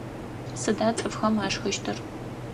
Сыда цӏыфхэм ашхыщтыр?